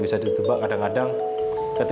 ini election yangasyarat